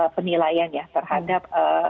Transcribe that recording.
penilaian ya terhadap